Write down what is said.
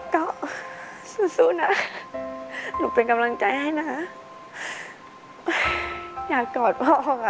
ก็สู้นะหนูเป็นกำลังใจให้นะอยากกอดพ่อค่ะ